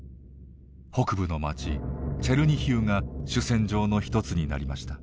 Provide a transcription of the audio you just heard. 北部の町チェルニヒウが主戦場の一つになりました。